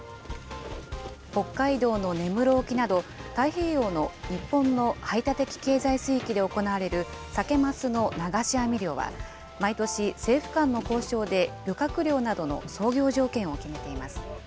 北海道の根室沖など、太平洋の日本の排他的経済水域で行われる、サケマスの流し網漁は、毎年、政府間の交渉で漁獲量などの操業条件を決めています。